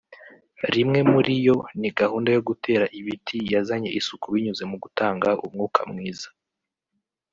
rimwe muriyo ni gahunda yo gutera ibiti yazanye isuku binyuze mu gutanga umwuka mwiza